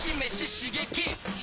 刺激！